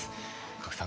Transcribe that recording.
賀来さん